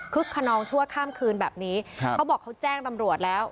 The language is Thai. ขนองชั่วข้ามคืนแบบนี้ครับเขาบอกเขาแจ้งตำรวจแล้ว